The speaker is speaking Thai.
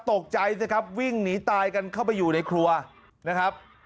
ตกใจสิครับวิ่งหนีตายกันเข้าไปอยู่ในครัวนะครับ